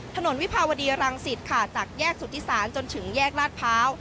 ถนนวิภาวดีรังศิษฐ์ค่ะจากแยกสุธิษศาสตร์จนถึงแยกราชเภา